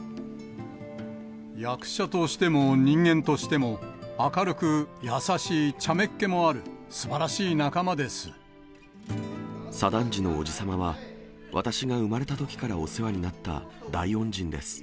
役者としても人間としても明るく優しいちゃめっ気もある、左團次のおじさまは、私が生まれたときからお世話になった大恩人です。